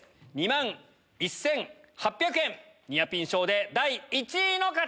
２万１８００円ニアピン賞で第１位の方！